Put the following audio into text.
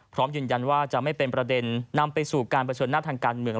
พร้อมยืนยันว่าจะไม่เป็นประเด็นนำไปสู่การเผชิญหน้าทางการเมือง